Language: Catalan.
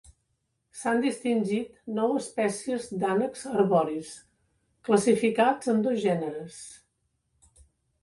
S'han distingit nou espècies d'ànecs arboris, classificats en dos gèneres.